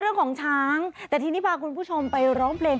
เรื่องของช้างแต่ทีนี้พาคุณผู้ชมไปร้องเพลง